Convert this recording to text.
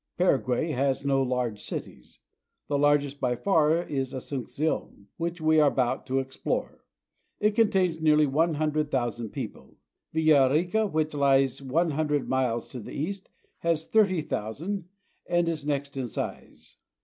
Paraguay has no large cities. The largest by far is Asuncion, which we are about to explore. It contains nearly one hundred thousand people. Villa Rica, which lies one hundred miles to the east, has thirty thousand and is next in size.